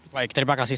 baik terima kasih